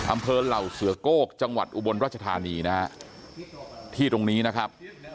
อำเภอเหล่าเสือโก้จังหวัดอุบลรัชธานีนะฮะที่ตรงนี้นะครับ